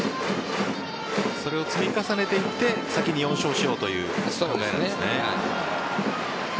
それを積み重ねていって先に４勝しようという考えなんですね。